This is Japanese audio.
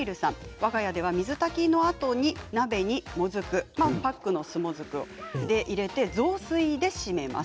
わが家では水炊きのあとに鍋に、もずくパックの酢もずくを入れて雑炊で締めます。